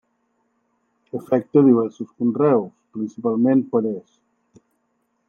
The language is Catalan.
Afecta diversos conreus, principalment perers.